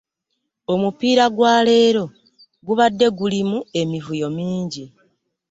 Omupiira gwa leero gubade gulimu emivuyo mingi.